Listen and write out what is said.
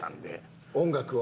音楽を？